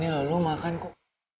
ini loh lo makan kok